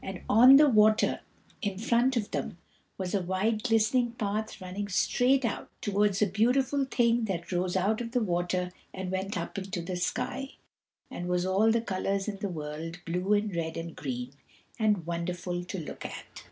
And on the water in front of them was a wide glistening path running straight out towards a beautiful thing that rose out of the water and went up into the sky, and was all the colours in the world, blue and red and green, and wonderful to look at.